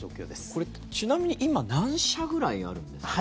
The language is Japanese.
これ、ちなみに今何社ぐらいあるんですか？